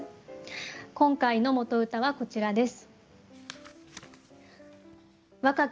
今回の元歌はこちらです。